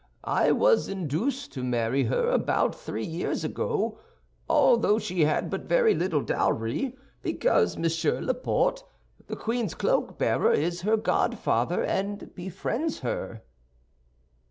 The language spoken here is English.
I was induced to marry her about three years ago, although she had but very little dowry, because Monsieur Laporte, the queen's cloak bearer, is her godfather, and befriends her."